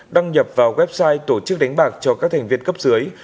đăng nhập vào website tổ chức đánh bạc cho các thành viên cấp dưới